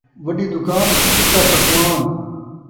وݙی دکان ، پھکا پکوان